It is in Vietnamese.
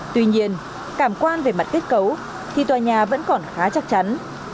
tuy nhiên cảm quan về mặt kết cấu thì tòa nhà vẫn còn khá chắc chắn